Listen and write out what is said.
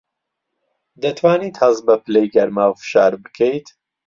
دەتوانیت هەست بە پلەی گەرما و فشار بکەیت؟